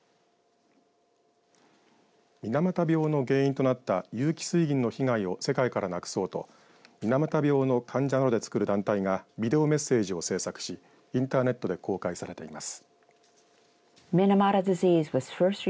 水俣病の原因となった有機水銀の被害を世界からなくそうと水俣病の患者などでつくる団体がビデオメッセージを制作しインターネットで公開されています。